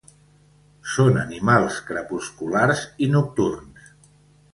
Són animals crepusculars i nocturns.